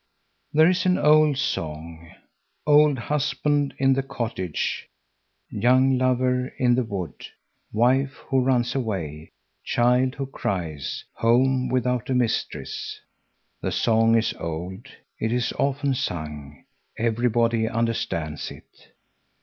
There is an old song: "Old husband in the cottage; young lover in the wood; wife, who runs away, child who cries; home without a mistress." The song is old. It is often sung. Everybody understands it.